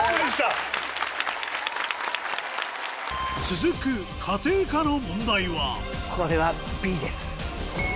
続く家庭科の問題はこれはＢです。